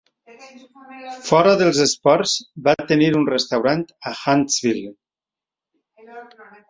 Fora dels esports, va tenir un restaurant a Huntsville.